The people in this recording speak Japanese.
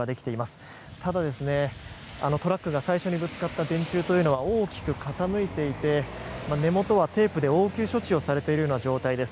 ただ、トラックが最初にぶつかった電柱は大きく傾いていて根本はテープで応急処置をされているような状態です。